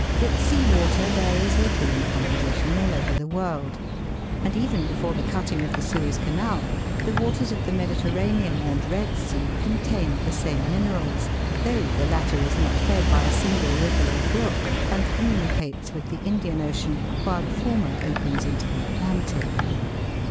that sea water, varies little in composition all over the world ; and even before the cutting of the Suez Canal, the waters of the Mediterranean and Red Sea contained the same minerals, though the latter is not fed by a single Triver or brook, and communicates with the Indian Ocean, while the former opens into the Atlantic.